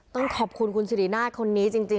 ต้องขอบคุณคุณสิรินาทคนนี้จริง